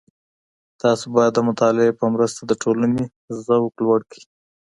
تاسو بايد د مطالعې په مرسته د ټولني ذوق لوړ کړئ.